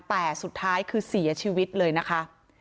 แต่สุดท้ายคือเสียชีวิตเลยนะคะ